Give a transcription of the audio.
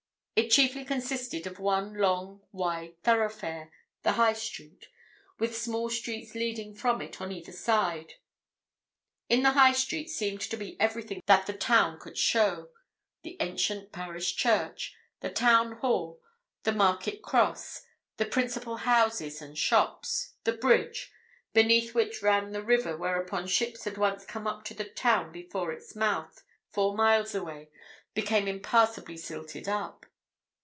It chiefly consisted of one long, wide thoroughfare—the High Street—with smaller streets leading from it on either side. In the High Street seemed to be everything that the town could show—the ancient parish church, the town hall, the market cross, the principal houses and shops, the bridge, beneath which ran the river whereon ships had once come up to the town before its mouth, four miles away, became impassably silted up.